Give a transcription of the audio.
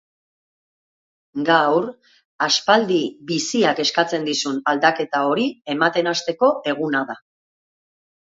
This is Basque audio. Gaur aspaldi biziak eskatzen dizun aldaketa hori ematen hasteko eguna da.